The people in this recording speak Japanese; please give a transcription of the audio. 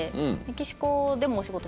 メキシコでお仕事？